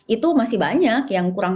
itu masih banyak yang kurang